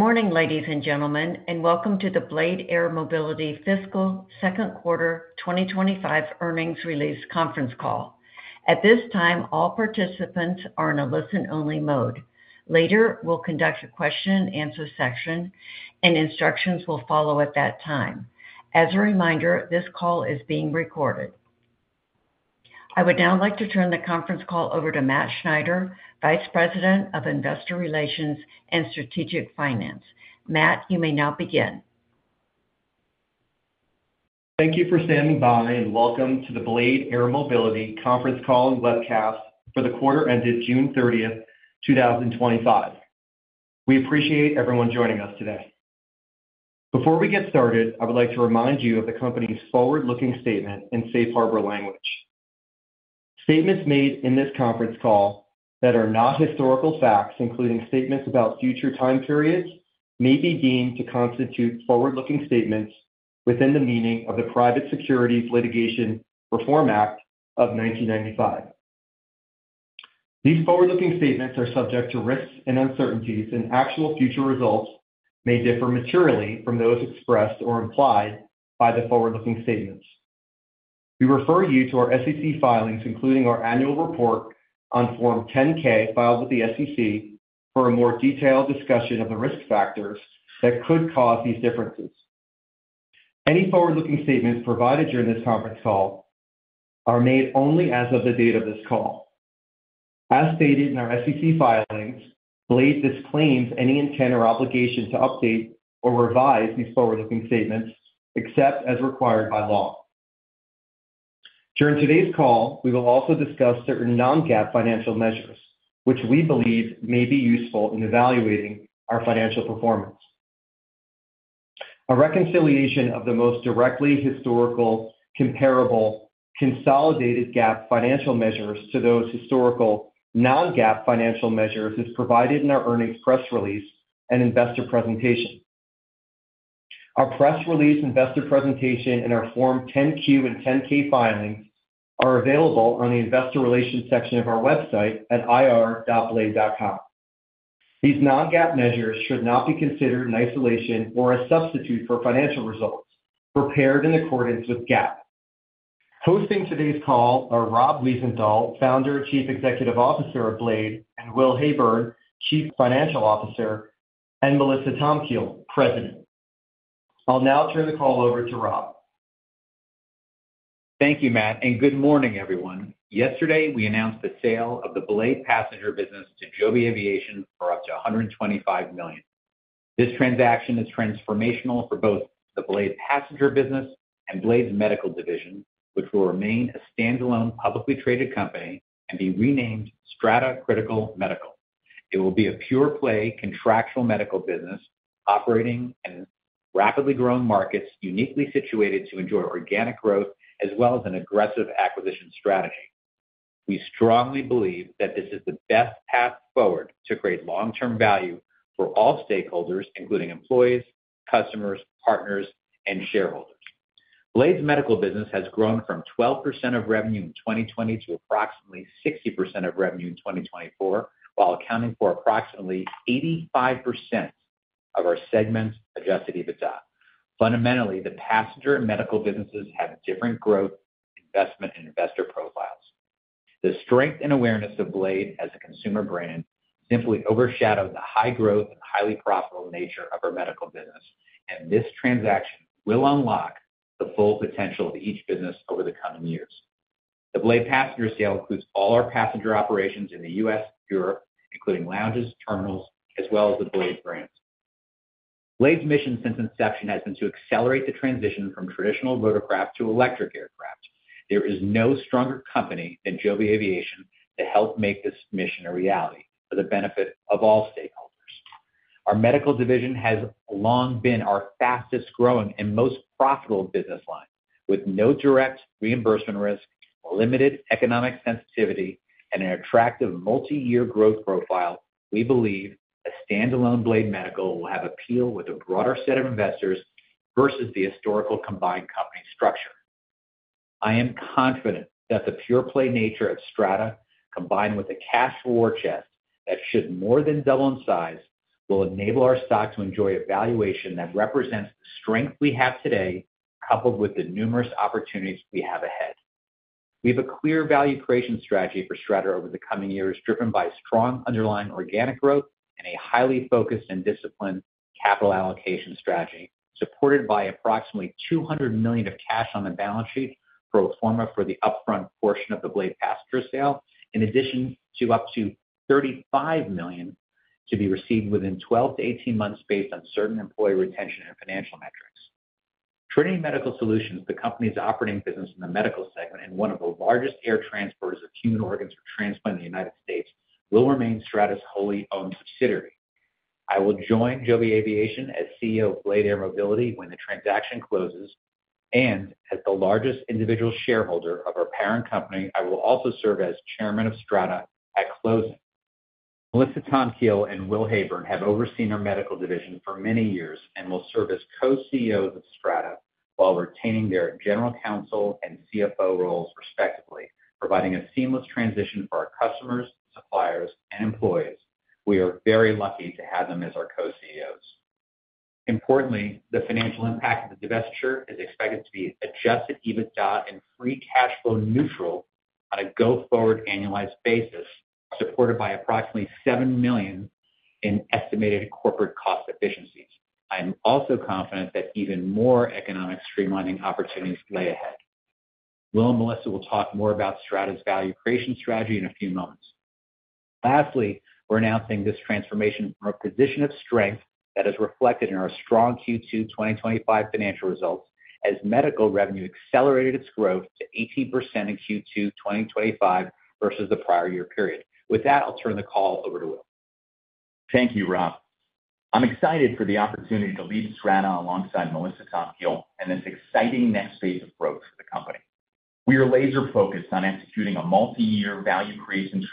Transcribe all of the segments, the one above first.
Good morning, ladies and gentlemen, and welcome to the Blade Air Mobility Fiscal Second Quarter 2025 Earnings Release Conference Call. At this time, all participants are in a listen-only mode. Later, we'll conduct a question-and-answer session, and instructions will follow at that time. As a reminder, this call is being recorded. I would now like to turn the conference call over to Matt Schneider, Vice President of Investor Relations and Strategic Finance. Matt, you may now begin. Thank you for standing by and welcome to the Blade Air Mobility Conference Call and Webcast for the quarter ended June 30th, 2025. We appreciate everyone joining us today. Before we get started, I would like to remind you of the company's forward-looking statement and safe harbor language. Statements made in this conference call that are not historical facts, including statements about future time periods, may be deemed to constitute forward-looking statements within the meaning of the Private Securities Litigation Reform Act of 1995. These forward-looking statements are subject to risks and uncertainties, and actual future results may differ materially from those expressed or implied by the forward-looking statements. We refer you to our SEC filings, including our annual report on Form 10-K filed with the SEC, for a more detailed discussion of the risk factors that could cause these differences. Any forward-looking statements provided during this conference call are made only as of the date of this call. As stated in our SEC filings, Blade disclaims any intent or obligation to update or revise these forward-looking statements except as required by law. During today's call, we will also discuss certain non-GAAP financial measures, which we believe may be useful in evaluating our financial performance. A reconciliation of the most directly historical, comparable, consolidated GAAP financial measures to those historical non-GAAP financial measures is provided in our earnings press release and investor presentation. Our press release, investor presentation, and our Form 10-Q and 10-K filings are available on the Investor Relations section of our website at ir.stratacritical.com. These non-GAAP measures should not be considered in isolation or as substitutes for financial results prepared in accordance with GAAP. Hosting today's call are Rob Wiesenthal, Founder and Chairman of Blade, Will Heyburn, Co-CEO and Chief Financial Officer, and Melissa Tompkins, Co-CEO and General Counsel. I'll now turn the call over to Rob. Thank you, Matt, and good morning, everyone. Yesterday, we announced the sale of the Blade passenger business to Joby Aviation for up to $125 million. This transaction is transformational for both the Blade passenger business and Blade's medical division, which will remain a standalone publicly traded company and be renamed Strata Critical Medical. It will be a pure-play contractual medical business operating in rapidly growing markets, uniquely situated to enjoy organic growth as well as an aggressive acquisition strategy. We strongly believe that this is the best path forward to create long-term value for all stakeholders, including employees, customers, partners, and shareholders. Blade's medical business has grown from 12% of revenue in 2020 to approximately 60% of revenue in 2024, while accounting for approximately 85% of our segment's adjusted EBITDA. Fundamentally, the passenger and medical businesses have different growth, investment, and investor profiles. The strength and awareness of Blade as a consumer brand simply overshadow the high growth and highly profitable nature of our medical business, and this transaction will unlock the full potential of each business over the coming years. The Blade passenger sale includes all our passenger operations in the U.S. and Europe, including lounges, terminals, as well as the Blade brand. Blade's mission since inception has been to accelerate the transition from traditional rotorcraft to electric aircraft. There is no stronger company than Joby Aviation to help make this mission a reality for the benefit of all stakeholders. Our medical division has long been our fastest growing and most profitable business line. With no direct reimbursement risk, limited economic sensitivity, and an attractive multi-year growth profile, we believe the standalone Blade Medical will have appeal with a broader set of investors versus the historical combined company structure. I am confident that the pure-play nature of Strata, combined with a cash war chest that should more than double in size, will enable our stock to enjoy a valuation that represents the strength we have today, coupled with the numerous opportunities we have ahead. We have a clear value creation strategy for Strata over the coming years, driven by strong underlying organic growth and a highly focused and disciplined capital allocation strategy, supported by approximately $200 million of cash on the balance sheet for a requirement for the upfront portion of the Blade passenger sale, in addition to up to $35 million to be received within 12-18 months based on certain employee retention and financial metrics. Trinity Medical Solutions, the company's operating business in the medical segment and one of the largest air transporters of human organs for transplant in the United States, will remain Strata's wholly owned subsidiary. I will join Joby Aviation as CEO of Blade Air Mobility when the transaction closes, and as the largest individual shareholder of our parent company, I will also serve as Chairman of Strata at closing. Melissa Tompkiel and Will Heyburn have overseen our medical division for many years and will serve as Co-CEOs of Strata while retaining their General Counsel and CFO roles respectively, providing a seamless transition for our customers, suppliers, and employees. We are very lucky to have them as our Co-CEOs. Importantly, the financial impact of the divestiture is expected to be adjusted EBITDA and free cash flow neutral on a go-forward annualized basis, supported by approximately $7 million in estimated corporate cost efficiencies. I am also confident that even more economic streamlining opportunities lay ahead. Will and Melissa will talk more about Strata's value creation strategy in a few moments. Lastly, we're announcing this transformation from a position of strength that is reflected in our strong Q2 2025 financial results as medical revenue accelerated its growth to 18% in Q2 2025 versus the prior year period. With that, I'll turn the call over to Will. Thank you, Rob. I'm excited for the opportunity to lead Strata alongside Melissa Tompkiel and this exciting next phase of growth for the company. We are laser-focused on executing a multi-year value creation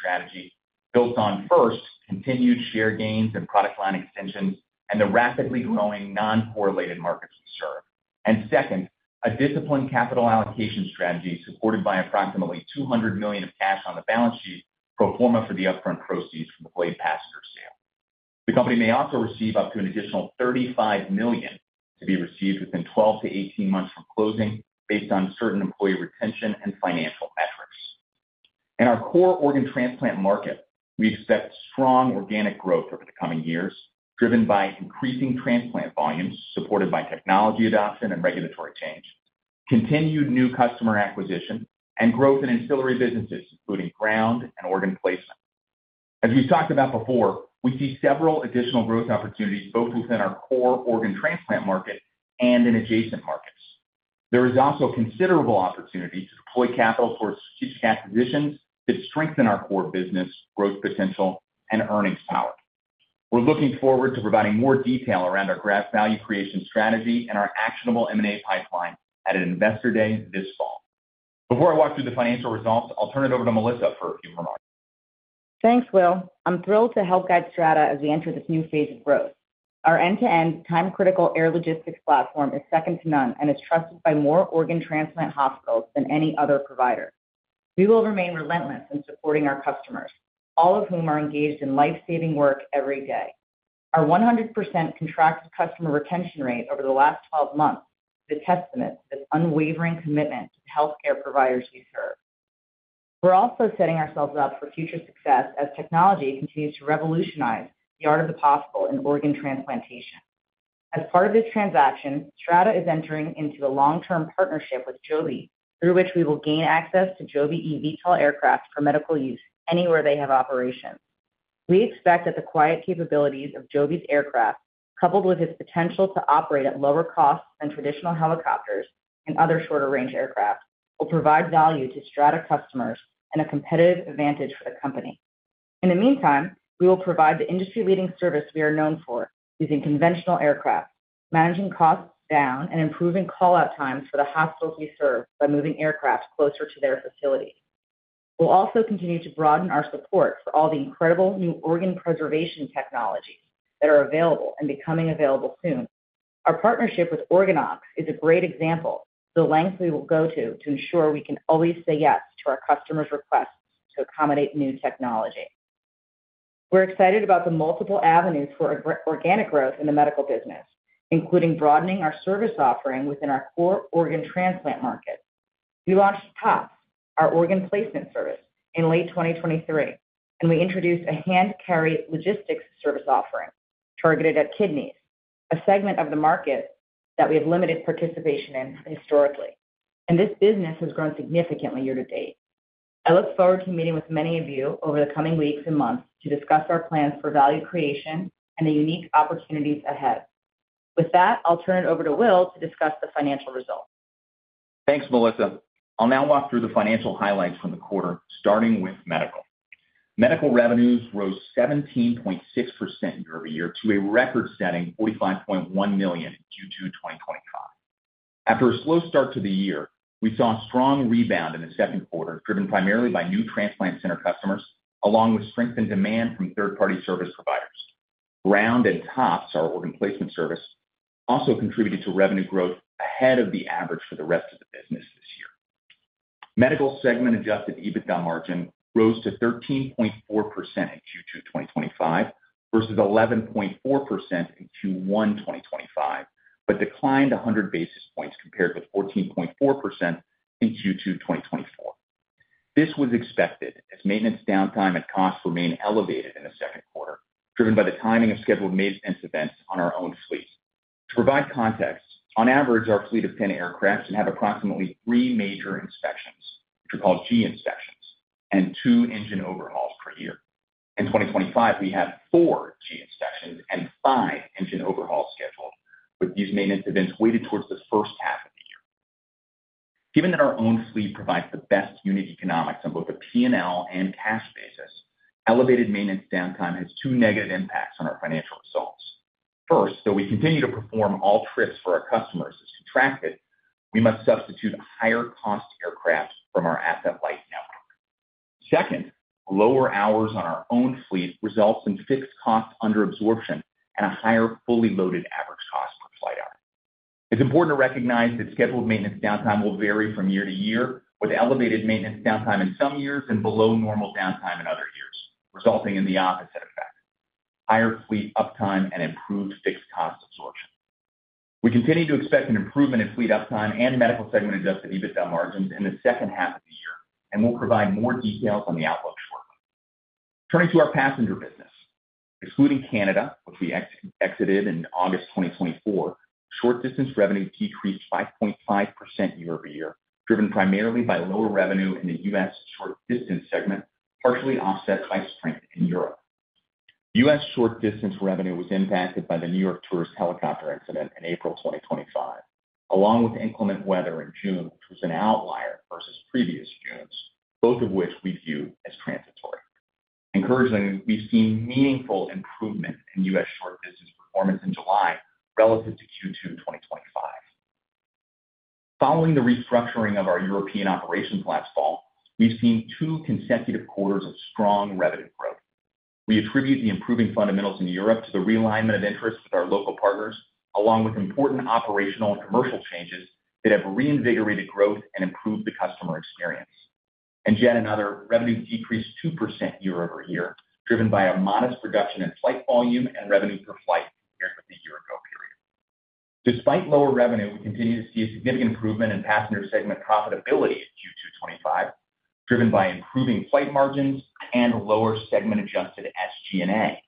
strategy built on, first, continued share gains and product line extensions in the rapidly growing non-correlated markets we serve. Second, a disciplined capital allocation strategy supported by approximately $200 million of cash on the balance sheet from the upfront proceeds from the Blade passenger sale. The company may also receive up to an additional $35 million to be received within 12-18 months from closing based on certain employee retention and financial metrics. In our core organ transplant market, we expect strong organic growth over the coming years, driven by increasing transplant volume supported by technology adoption and regulatory change, continued new customer acquisition, and growth in ancillary businesses, including ground and organ placement. As we've talked about before, we see several additional growth opportunities both within our core organ transplant market and in adjacent markets. There is also considerable opportunity to deploy capital towards strategic acquisitions that strengthen our core business growth potential and earnings power. We're looking forward to providing more detail around our value creation strategy and our actionable M&A pipeline at an investor day this fall. Before I walk through the financial results, I'll turn it over to Melissa for a few remarks. Thanks, Will. I'm thrilled to help guide Strata as we enter this new phase of growth. Our end-to-end time-critical air logistics platform is second to none and is trusted by more organ transplant hospitals than any other provider. We will remain relentless in supporting our customers, all of whom are engaged in life-saving work every day. Our 100% contracted customer retention rate over the last 12 months is a testament to the unwavering commitment to the healthcare providers we serve. We're also setting ourselves up for future success as technology continues to revolutionize the art of the possible in organ transplantation. As part of this transaction, Strata is entering into a long-term partnership with Joby, through which we will gain access to Joby eVTOL aircraft for medical use anywhere they have operations. We expect that the quiet capabilities of Joby's aircraft, coupled with its potential to operate at lower costs than traditional helicopters and other shorter-range aircraft, will provide value to Strata customers and a competitive advantage for the company. In the meantime, we will provide the industry-leading service we are known for using conventional aircraft, managing costs down, and improving call-out times for the hospitals we serve by moving aircraft closer to their facilities. We'll also continue to broaden our support for all the incredible new organ preservation technologies that are available and becoming available soon. Our partnership with Orgonox is a great example of the lengths we will go to to ensure we can always say yes to our customers' requests to accommodate new technology. We're excited about the multiple avenues for organic growth in the medical business, including broadening our service offering within our core organ transplant market. We launched POP, our organ placement service, in late 2023, and we introduced a hand-carry logistics service offering targeted at kidneys, a segment of the market that we have limited participation in historically. This business has grown significantly year to date. I look forward to meeting with many of you over the coming weeks and months to discuss our plans for value creation and the unique opportunities ahead. With that, I'll turn it over to Will to discuss the financial results. Thanks, Melissa. I'll now walk through the financial highlights from the quarter, starting with medical. Medical revenues rose 17.6% year-over-year to a record setting $45.1 million in Q2 2025. After a slow start to the year, we saw a strong rebound in the second quarter, driven primarily by new transplant center customers, along with strengthened demand from third-party service providers. Ground and POP, our organ placement service, also contributed to revenue growth ahead of the average for the rest of the business this year. Medical segment-adjusted EBITDA margin rose to 13.4% in Q2 2025 versus 11.4% in Q1 2025, but declined 100 basis points compared with 14.4% in Q2 2024. This was expected as maintenance downtime and costs remain elevated in the second quarter, driven by the timing of scheduled maintenance events on our own fleet. To provide context, on average, our fleet of 10 aircraft has had approximately three major inspections, which are called G inspections, and two engine overhauls per year. In 2025, we had four G inspections and five engine overhauls scheduled, but these maintenance events weighted towards the first half of the year. Given that our own fleet provides the best unit economics on both a P&L and cash basis, elevated maintenance downtime had two negative impacts on our financial results. First, though we continue to perform all trips for our customers as contracted, we must substitute higher cost aircraft from our asset light network. Second, lower hours on our own fleet result in fixed costs under absorption and a higher fully loaded average cost per flight hour. It's important to recognize that scheduled maintenance downtime will vary from year to year, with elevated maintenance downtime in some years and below normal downtime in other years, resulting in the opposite effect: higher fleet uptime and improved fixed cost absorption. We continue to expect an improvement in fleet uptime and medical segment-adjusted EBITDA margins in the second half of the year, and we'll provide more detail on the outlook shortly. Turning to our passenger business, excluding Canada, which we exited in August 2024, short-distance revenue decreased 5.5% year-over-year, driven primarily by lower revenue in the U.S. short-distance segment, partially offset by strength in Europe. U.S. short-distance revenue was impacted by the New York tourist helicopter incident in April 2025, along with inclement weather in June, which was an outlier versus previous Junes, both of which we viewed as transitory. Concurrently, we've seen meaningful improvements in U.S. short-distance performance in July relative to Q2 2025. Following the restructuring of our European operations last fall, we've seen two consecutive quarters of strong revenue growth. We attribute the improving fundamentals in Europe to the realignment of interests with our local partners, along with important operational and commercial changes that have reinvigorated growth and improved the customer experience. Yet another, revenue decreased 2% year-over-year, driven by a modest reduction in flight volume and revenue per flight compared with the year-ago period. Despite lower revenue, we continue to see a significant improvement in passenger segment profitability in Q2 2025, driven by improving flight margins and lower segment-adjusted SG&A.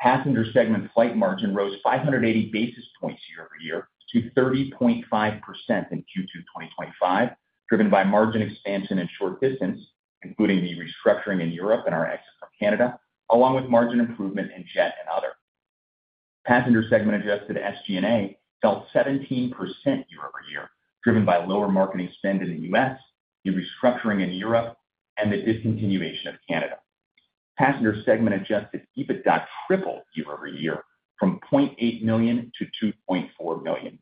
Passenger segment flight margin rose 580 basis points year-over-year to 30.5% in Q2 2025, driven by margin expansion in short distance, including the restructuring in Europe and our exit from Canada, along with margin improvement in yet another. Passenger segment-adjusted SG&A fell 17% year-over-year, driven by lower marketing spend in the U.S., the restructuring in Europe, and the discontinuation of Canada. Passenger segment-adjusted EBITDA tripled year-over-year from $0.8 million-$2.4 million.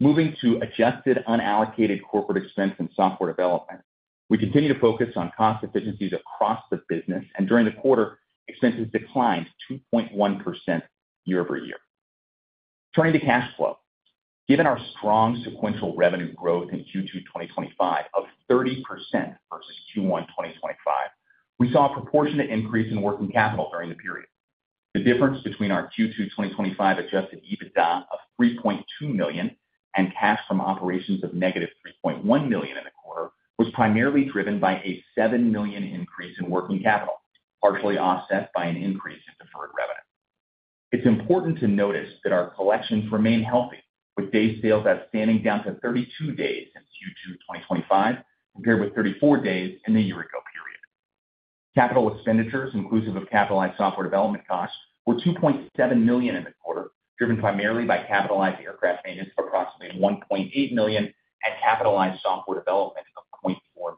Moving to adjusted unallocated corporate expense and software development, we continue to focus on cost efficiencies across the business, and during the quarter, expenses declined 2.1% year-over-year. Turning to cash flow, given our strong sequential revenue growth in Q2 2025 of 30% versus Q1 2025, we saw a proportionate increase in working capital during the period. The difference between our Q2 2025 adjusted EBITDA of $3.2 million and cash from operations of -$3.1 million in the quarter was primarily driven by a $7 million increase in working capital, partially offset by an increase in deferred revenue. It's important to notice that our collections remain healthy, with day sales outstanding down to 32 days in Q2 2025 compared with 34 days in the year-ago period. Capital expenditures, inclusive of capitalized software development costs, were $2.7 million in the quarter, driven primarily by capitalized aircraft maintenance of approximately $1.8 million and capitalized software development of $0.4 million.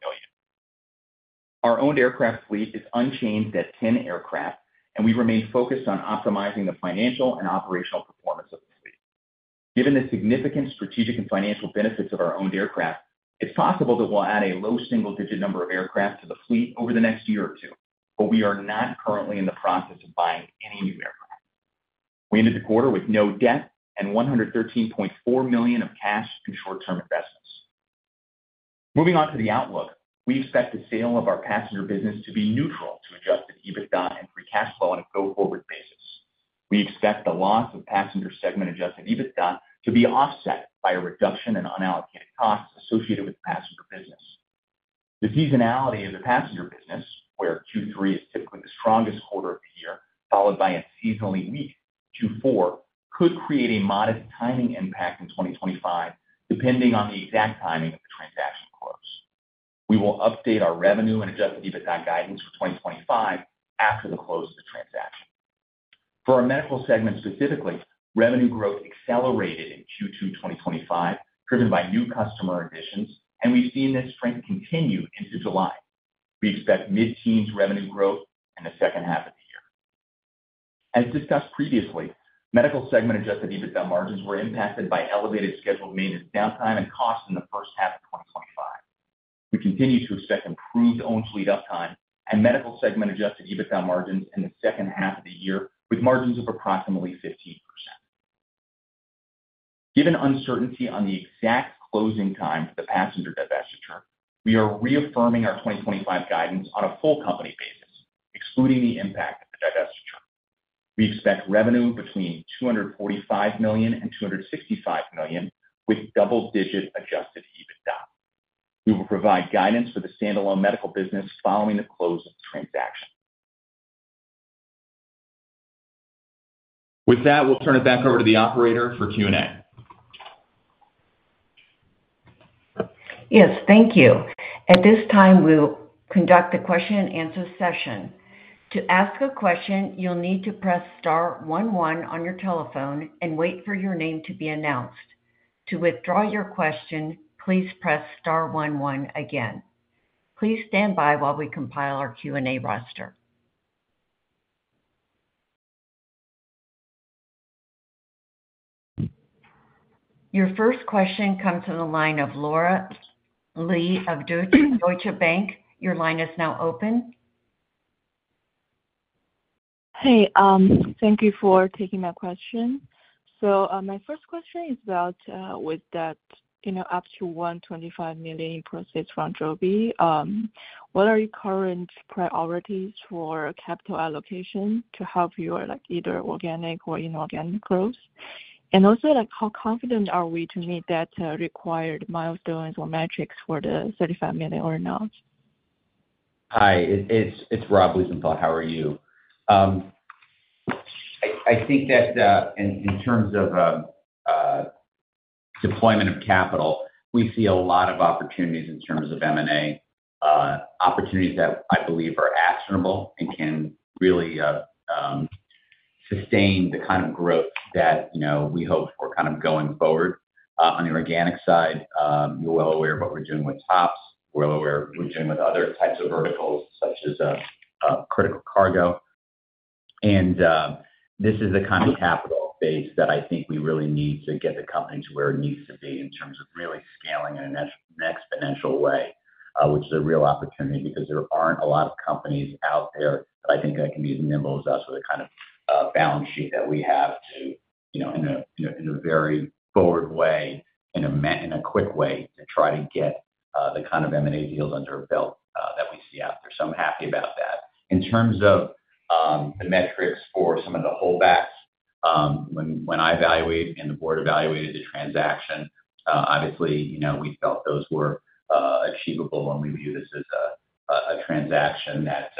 Our owned aircraft fleet is unchanged at 10 aircraft, and we remain focused on optimizing the financial and operational performance of the fleet. Given the significant strategic and financial benefits of our owned aircraft, it's possible that we'll add a low single-digit number of aircraft to the fleet over the next year or two, but we are not currently in the process of buying any new aircraft. We ended the quarter with no debt and $113.4 million of cash in short-term investments. Moving on to the outlook, we expect the sale of our passenger business to be neutral to adjusted EBITDA and free cash flow on a go-forward basis. We expect the loss of passenger segment-adjusted EBITDA to be offset by a reduction in unallocated costs associated with the passenger business. The seasonality of the passenger business, where Q3 is typically the strongest quarter of the year, followed by a seasonally weak Q4, could create a modest timing impact in 2025, depending on the exact timing of the transaction close. We will update our revenue and adjusted EBITDA guidance for 2025 after the close of the transaction. For our medical segment specifically, revenue growth accelerated in Q2 2025, driven by new customer additions, and we've seen this strength continue into July. We expect mid-teens revenue growth in the second half of the year. As discussed previously, medical segment-adjusted EBITDA margins were impacted by elevated scheduled maintenance downtime and costs in the first half of 2025. We continue to expect improved owned fleet uptime and medical segment-adjusted EBITDA margins in the second half of the year, with margins of approximately 15%. Given uncertainty on the exact closing time for the passenger divestiture, we are reaffirming our 2025 guidance on a full company basis, including the impact of the divestiture. We expect revenue between $245 million and $265 million with double-digit adjusted EBITDA. We will provide guidance for the standalone medical business following the close of the transaction. With that, we'll turn it back over to the operator for Q&A. Yes, thank you. At this time, we'll conduct the question-and-answer session. To ask a question, you'll need to press star 11 on your telephone and wait for your name to be announced. To withdraw your question, please press star 11 again. Please stand by while we compile our Q&A roster. Your first question comes from the line of Laura Lee of Deutsche Bank. Your line is now open. Thank you for taking my question. My first question is about, with that, you know, up to $125 million processed from Joby, what are your current priorities for capital allocation to help your, like, either organic or inorganic growth? Also, how confident are we to meet that required milestones or metrics for the $35 million or not? Hi, it's Rob Wiesenthal. How are you? I think that in terms of deployment of capital, we see a lot of opportunities in terms of M&A, opportunities that I believe are actionable and can really sustain the kind of growth that, you know, we hope we're kind of going forward. On the organic side, we're well aware of what we're doing with POP, we're well aware of what we're doing with other types of verticals, such as critical cargo. This is the kind of capital base that I think we really need to get the company to where it needs to be in terms of really scaling in an exponential way, which is a real opportunity because there aren't a lot of companies out there. I think I can be as nimble as that's the kind of balance sheet that we have to, you know, in a very forward way, in a quick way, to try to get the kind of M&A deals under our belt that we see out there. I'm happy about that. In terms of the metrics for some of the holdbacks, when I evaluated and the board evaluated the transaction, obviously, you know, we felt those were achievable when we viewed this as a transaction that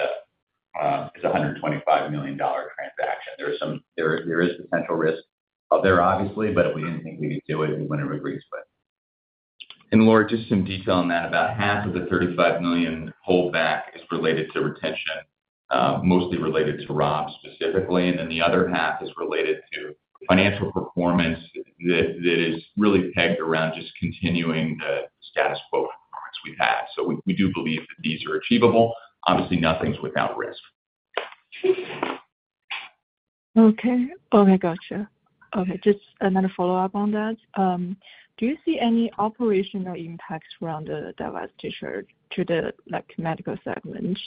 is a $125 million transaction. There is potential risk there, obviously, but if we didn't think we could do it, we wouldn't have agreed to it. Laura, just some detail on that. About half of the $35 million holdback is related to retention, mostly related to Rob specifically, and the other half is related to financial performance that is really tagged around just continuing the status quo performance we've had. We do believe these are achievable. Obviously, nothing's without risk. Okay, just another follow-up on that. Do you see any operational impacts around the divestiture to the medical segment,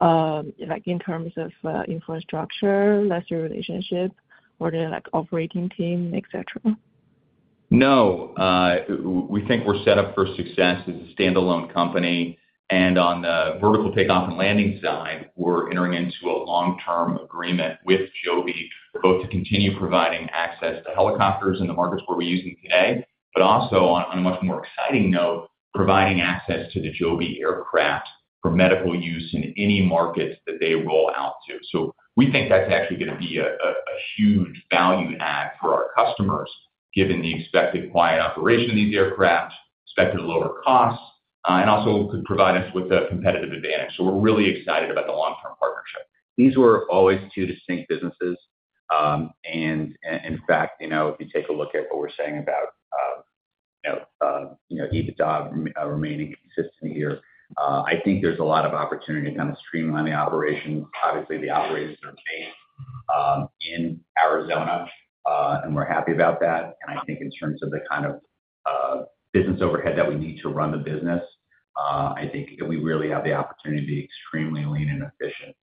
like in terms of infrastructure, lesser relationship, or the operating team, etc.? No. We think we're set up for success as a standalone company. On the vertical takeoff and landing side, we're entering into a long-term agreement with Joby both to continue providing access to helicopters in the markets where we're using today, but also, on a much more exciting note, providing access to the Joby aircraft for medical use in any market that they roll out to. We think that's actually going to be a huge value add for our customers, given the expected quiet operation of these aircraft, expected lower costs, and also could provide us with a competitive advantage. We're really excited about the long-term partnership. These were always two distinct businesses. In fact, if you take a look at what we're saying about EBITDA remaining consistent here, I think there's a lot of opportunity to kind of streamline the operation. Obviously, the operations are based in Arizona, and we're happy about that. I think in terms of the kind of business overhead that we need to run the business, I think we really have the opportunity to be extremely lean and efficient.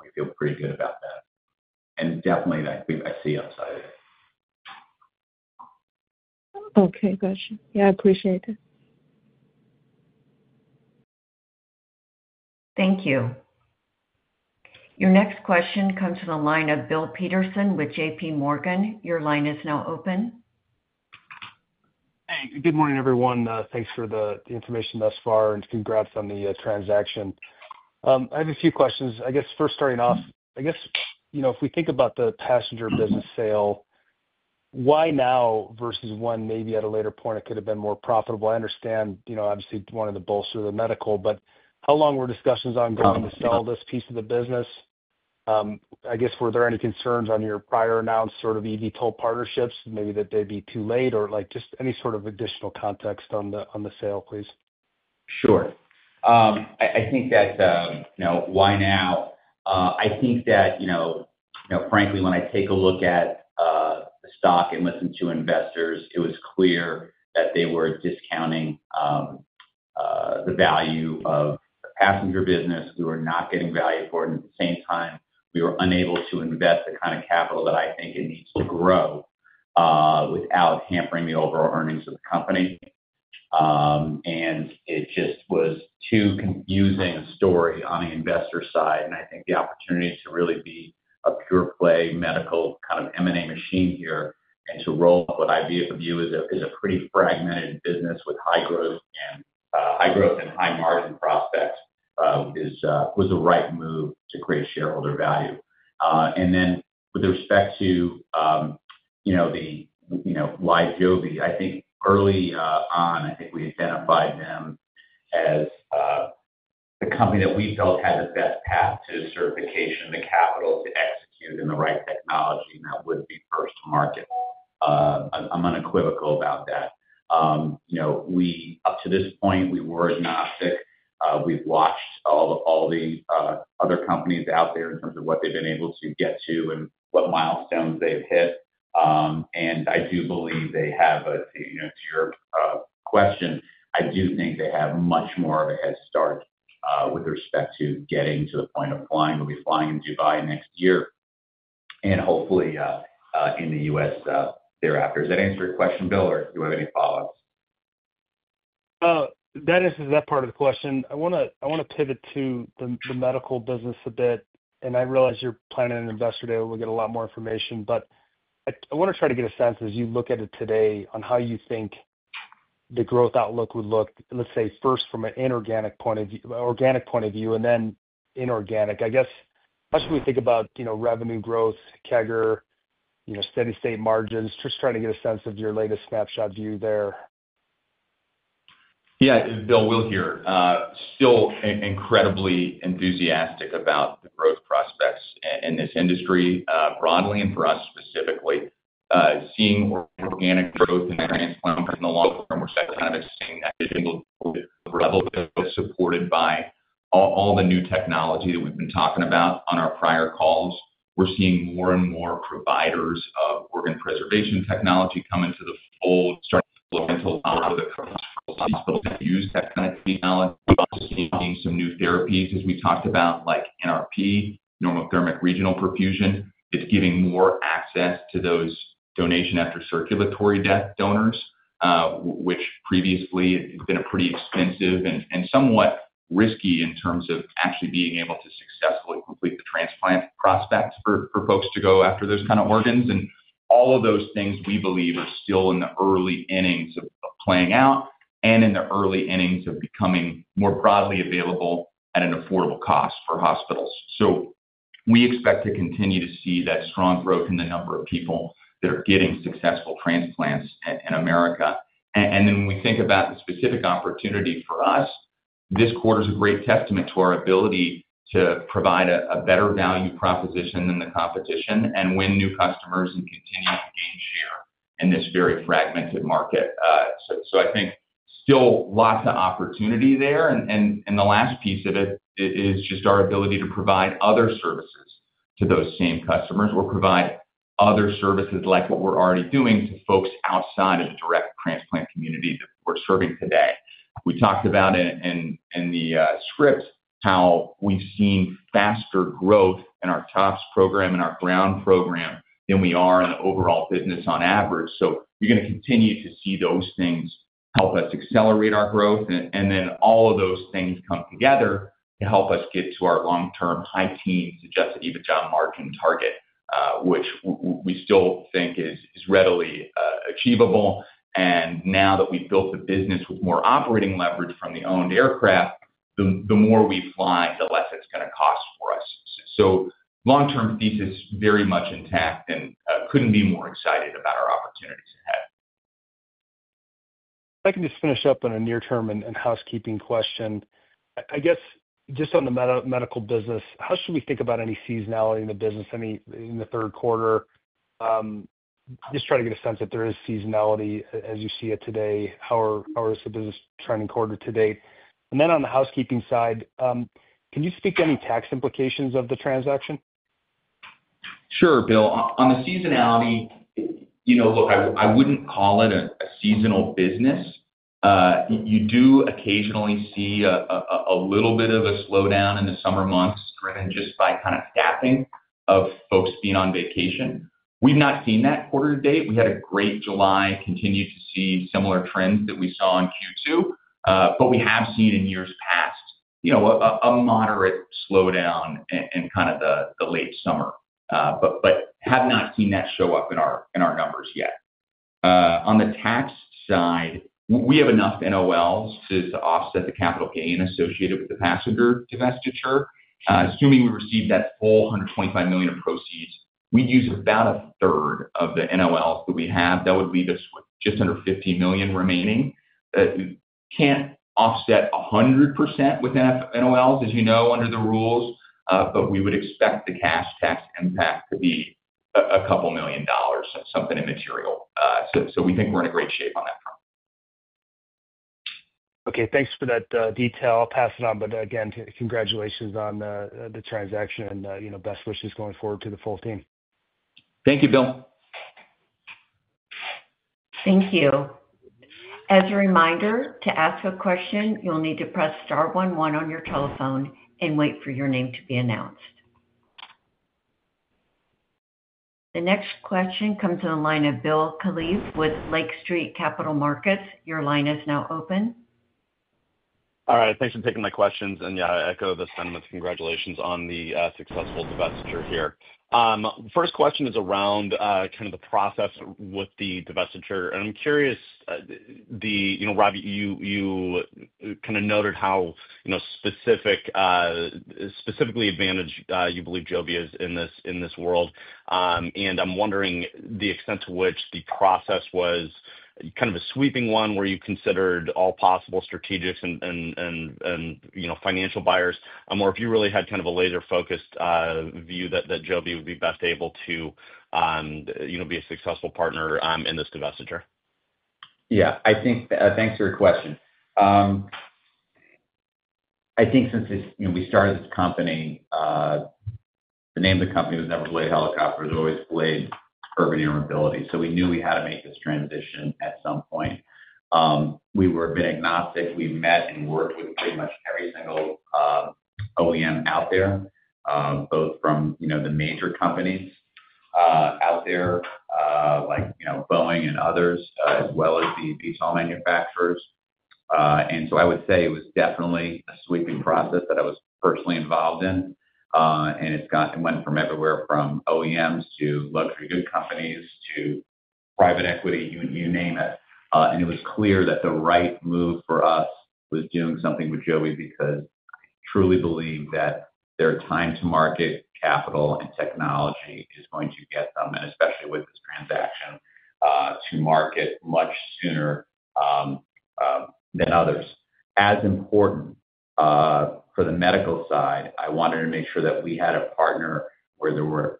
We feel pretty good about that. Definitely, I see you on the side of it. Okay, gotcha. Yeah, I appreciate it. Thank you. Your next question comes from the line of Bill Peterson with J.P. Morgan. Your line is now open. Good morning, everyone. Thanks for the information thus far, and congrats on the transaction. I have a few questions. First, starting off, if we think about the passenger business sale, why now versus when maybe at a later point it could have been more profitable? I understand you wanted to bolster the medical, but how long were discussions ongoing to sell this piece of the business? Were there any concerns on your prior announced sort of eVTOL partnerships, maybe that they'd be too late, or just any sort of additional context on the sale, please? Sure. I think that, you know, why now? I think that, frankly, when I take a look at the stock and listen to investors, it was clear that they were discounting the value of the passenger business. We were not getting value for it. At the same time, we were unable to invest the kind of capital that I think it needs to grow without hampering the overall earnings of the company. It just was a too confusing story on the investor side. I think the opportunity to really be a pure-play medical kind of M&A machine here and to roll up IVF with you is a pretty fragmented business with high growth and high margin prospects, was the right move to create shareholder value. With respect to the why Joby, I think early on, we identified them as the company that we felt had the best path to certification, the capital to execute in the right technology, and that would be first to market. I'm unequivocal about that. Up to this point, we were agnostic. We've watched all the other companies out there in terms of what they've been able to get to and what milestones they've hit. I do believe they have a, you know, to your question, I do think they have much more of a head start with respect to getting to the point of flying. We'll be flying in Dubai next year, and hopefully in the U.S. thereafter. Does that answer your question, Bill, or do you have any follow-ups? That answers that part of the question. I want to pivot to the medical business a bit. I realize you're planning an investor day, and we'll get a lot more information. I want to try to get a sense, as you look at it today, on how you think the growth outlook would look, let's say, first from an organic point of view and then inorganic. I guess, how should we think about, you know, revenue growth, CAGR, steady state margins? Just trying to get a sense of your latest snapshot view there. Yeah, Bill, we're still incredibly enthusiastic about the growth prospects in this industry, broadly, and for us specifically, seeing organic growth in transplant in the long term. We're psyched about seeing that digital relative supported by all the new technology that we've been talking about on our prior calls. We're seeing more and more providers of organ preservation technology come into the fold, starting to flow into a lot of the hospitals that use that kind of technology. We've also seen some new therapies, as we talked about, like NRP, normothermic regional perfusion. It's giving more access to those donation after circulatory donors, which previously had been pretty expensive and somewhat risky in terms of actually being able to successfully complete the transplant prospects for folks to go after those kinds of organs. All of those things we believe are still in the early innings of playing out and in the early innings of becoming more broadly available at an affordable cost for hospitals. We expect to continue to see that strong growth in the number of people that are getting successful transplants in America. When we think about the specific opportunity for us, this quarter is a great testament to our ability to provide a better value proposition than the competition and win new customers and continue to gain share in this very fragmented market. I think still lots of opportunity there. The last piece of it is just our ability to provide other services to those same customers or provide other services like what we're already doing to folks outside of the direct transplant community that we're serving today. We talked about it in the script, how we've seen faster growth in our POP program and our ground program than we are in the overall business on average. We're going to continue to see those things help us accelerate our growth. All of those things come together to help us get to our long-term high-teens adjusted EBITDA margin target, which we still think is readily achievable. Now that we've built a business with more operating leverage from the owned aircraft, the more we fly, the less it's going to cost for us. Long-term thesis very much intact and couldn't be more excited about our opportunities ahead. If I can just finish up on a near-term and housekeeping question. I guess just on the medical business, how should we think about any seasonality in the business in the third quarter? Just trying to get a sense if there is seasonality as you see it today. How is the business trending quarter to date? On the housekeeping side, can you speak to any tax implications of the transaction? Sure, Bill. On the seasonality, you know, look, I wouldn't call it a seasonal business. You do occasionally see a little bit of a slowdown in the summer months driven just by kind of staffing of folks being on vacation. We've not seen that quarter to date. We had a great July, continued to see similar trends that we saw in Q2. We have seen in years past, you know, a moderate slowdown in kind of the late summer, but have not seen that show up in our numbers yet. On the tax side, we have enough NOLs to offset the capital gain associated with the passenger divestiture. Assuming we receive that full $125 million of proceeds, we'd use about a third of the NOLs that we have. That would leave us with just under $15 million remaining. Can't offset 100% with NOLs, as you know, under the rules, but we would expect the cash tax impact to be a couple million dollars, something immaterial. We think we're in a great shape on that front. Okay, thanks for that detail. I'll pass it on. Again, congratulations on the transaction and best wishes going forward to the full team. Thank you, Bill. Thank you. As a reminder, to ask a question, you'll need to press star 11 on your telephone and wait for your name to be announced. The next question comes from the line of Bill Khaliv with Lake Street Capital Markets. Your line is now open. All right, thanks for taking my questions. I echo the sentiments. Congratulations on the successful divestiture here. The first question is around the process with the divestiture. I'm curious, Rob, you noted how specifically advantaged you believe Joby is in this world. I'm wondering the extent to which the process was a sweeping one where you considered all possible strategics and financial buyers, or if you really had a laser-focused view that Joby would be best able to be a successful partner in this divestiture. Yeah, I think thanks for your question. I think since we started this company, the name of the company was never Blade Helicopters, always Blade Urban Air Mobility. We knew we had to make this transition at some point. We were a bit agnostic. We've met and worked with pretty much every single OEM out there, both from the major companies out there, like Boeing and others, as well as the detail manufacturers. I would say it was definitely a sweeping process that I was personally involved in. It went from everywhere from OEMs to luxury good companies to private equity, you name it. It was clear that the right move for us was doing something with Joby because we truly believe that their time to market, capital, and technology is going to get them, and especially with this transaction, to market much sooner than others. As important for the medical side, I wanted to make sure that we had a partner where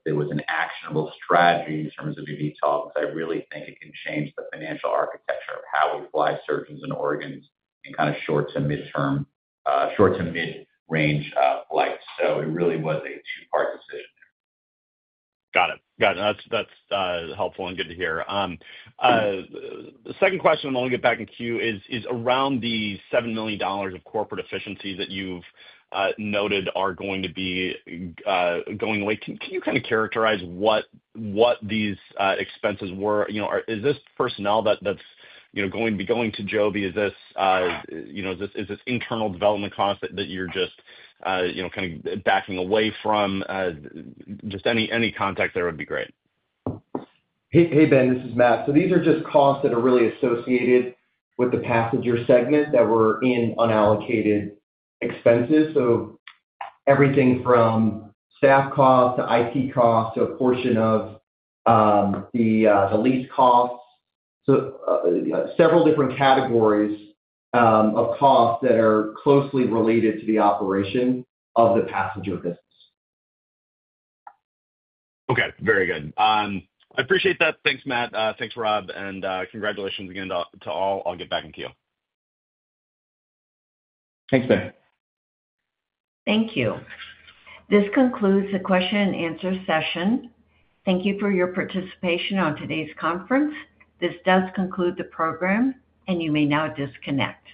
there was an actionable strategy in terms of eVTOL because I really think it can change the financial architecture of how we fly surgeons and organs in kind of short to mid-term, short to mid-range flights. It really was a two-part decision there. Got it. That's helpful and good to hear. The second question, I'll get back in queue, is around the $7 million of corporate efficiency that you've noted are going to be going away. Can you kind of characterize what these expenses were? Is this personnel that's going to be going to Joby? Is this internal development cost that you're just kind of backing away from? Any context there would be great. Hey, Ben, this is Matt. These are just costs that are really associated with the passenger segment that were in unallocated expenses. Everything from staff costs to IT costs to a portion of the lease costs. Several different categories of costs are closely related to the operation of the passenger business. Okay, very good. I appreciate that. Thanks, Matt. Thanks, Rob. Congratulations again to all. I'll get back in queue. Thanks, Ben. Thank you. This concludes the question-and-answer session. Thank you for your participation on today's conference. This does conclude the program, and you may now disconnect.